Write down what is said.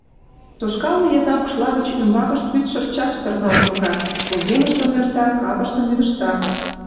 Тошкалме еда укшла гыч ӱмбакышт вӱд шырча чытырналт йога, вургемыштым нӧрта, капыштым вӱдыжта.